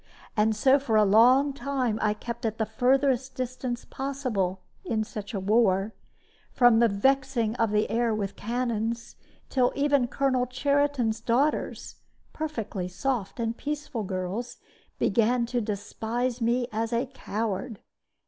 And so for a long time I kept at the furthest distance possible, in such a war, from the vexing of the air with cannons, till even Colonel Cheriton's daughters perfectly soft and peaceful girls began to despise me as a coward.